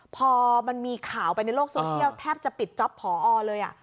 พอมันมีข่าวไปในโลกโซเชียลแทบจะปิดจ๊อปผอเลย